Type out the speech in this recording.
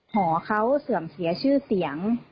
หอเขาเสื่อมเสียชื่อเสียง